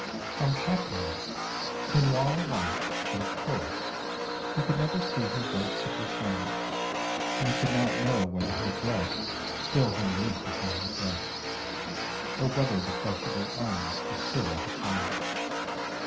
From Shaknon Tinoir watched, but of course, he could never see her bright sickle shining, and he could not know whether her dress still hung loose upon her breast, or whether the flesh of her arms was still like a child's.